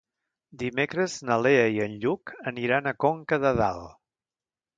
Dimecres na Lea i en Lluc aniran a Conca de Dalt.